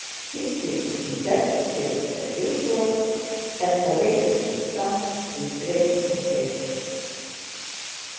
He seemed in better spirits than usual and awaited his son with great impatience.